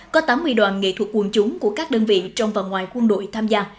có tám mươi đoàn nghệ thuật quân chúng của các đơn vị trong và ngoài quân đội tham gia